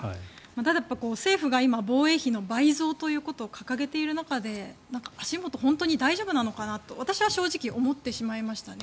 ただ、政府が今、防衛費の倍増ということを掲げている中で、足元本当に大丈夫なのかなと私は正直思ってしまいましたね。